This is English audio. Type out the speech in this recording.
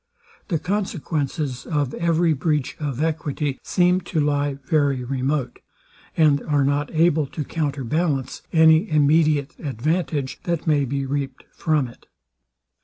The consequences of every breach of equity seem to lie very remote, and are not able to counter ballance any immediate advantage, that may be reaped from it.